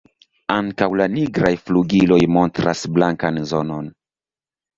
Ankaŭ la nigraj flugiloj montras blankan zonon.